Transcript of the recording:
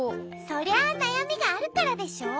そりゃあなやみがあるからでしょ？